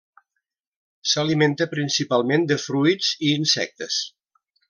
S'alimenta principalment de fruits i insectes.